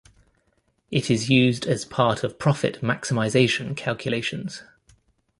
It is used as part of profit maximization calculations.